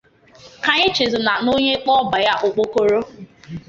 Ka anyị echezọọna na onye kpọọ ọba ya ọkpọkọrọ